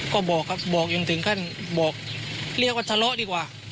ก็บอกแม่อย่างถึงขั้นบอกก็เรียกว่าทะเลาะดีกว่า